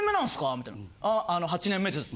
みたいな「ああの８年目です」